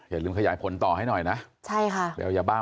อย่าลืมขยายผลต่อให้หน่อยนะ